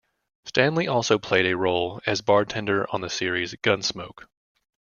Stanley also played a role as bartender on the series "Gunsmoke".